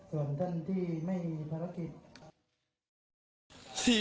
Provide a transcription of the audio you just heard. ส่วนท่านที่ไม่มีภารกิจ